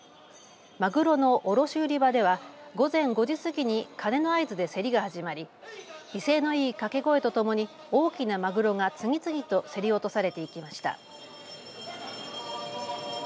まぐろの卸売り場では午前５時過ぎに鐘の合図で競りが始まり威勢のいいかけ声とともに大きなまぐろが次々と競り落とされていきました。